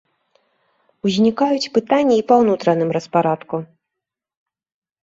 Узнікаюць пытанні і па ўнутраным распарадку.